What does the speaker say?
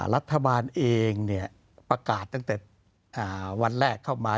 รัฐบาลเองประกาศตั้งแต่วันแรกเข้ามา